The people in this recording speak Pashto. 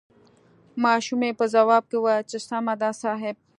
ماشومې په ځواب کې وويل چې سمه ده صاحب.